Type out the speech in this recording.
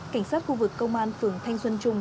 cảnh sát khu vực công an phường thanh xuân trung